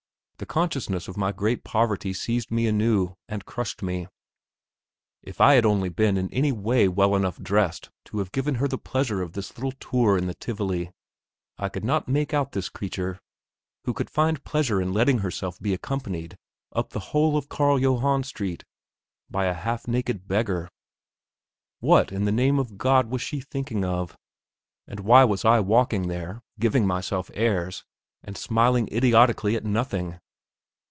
The consciousness of my great poverty seized me anew, and crushed me. If I had only been in any way well enough dressed to have given her the pleasure of this little tour in the Tivoli! I could not make out this creature, who could find pleasure in letting herself be accompanied up the whole of Carl Johann Street by a half naked beggar. What, in the name of God, was she thinking of? And why was I walking there, giving myself airs, and smiling idiotically at nothing?